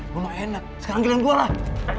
rumah enak sekarang jalan luar lah